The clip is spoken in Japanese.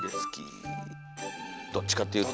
どっちかっていうと。